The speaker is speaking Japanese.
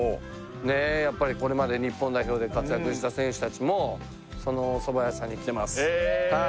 これまで日本代表で活躍した選手たちもそのお蕎麦屋さんに来てますえ